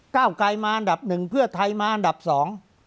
เก้าไกลมาอันดับหนึ่งเพื่อไทยมาอันดับสอง